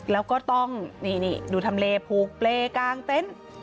แล้วก็ต้องนี่ดูทำเลผูกเปรย์กลางเต็นต์